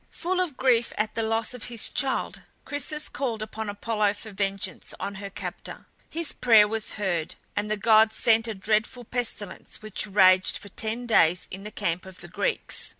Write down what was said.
Full of grief at the loss of his child Chryses called upon Apollo for vengeance on her captor. His prayer was heard, and the god sent a dreadful pestilence which raged for ten days in the camp of the Greeks.